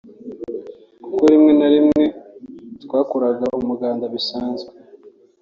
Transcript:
kuko rimwe na rimwe twakoraga umuganda bisanzwe